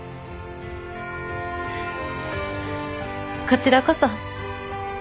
こちらこそ。